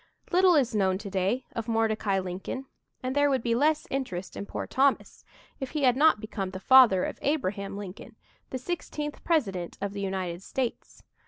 Little is known today of Mordecai Lincoln, and there would be less interest in poor Thomas if he had not become the father of Abraham Lincoln, the sixteenth President of the United States.